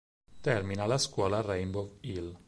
Termina la scuola a Rainbow Hill.